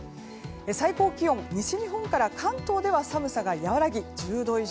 最高気温、西日本から関東では寒さが和らぎ１０度以上。